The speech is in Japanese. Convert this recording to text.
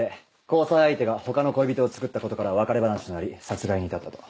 交際相手が他の恋人をつくったことから別れ話となり殺害に至ったと。